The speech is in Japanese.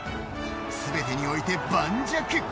全てにおいて盤石。